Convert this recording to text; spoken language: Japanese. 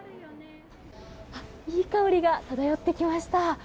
いい香りが漂ってきました。